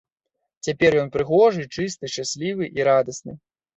Цяпер ён прыгожы, чысты, шчаслівы і радасны.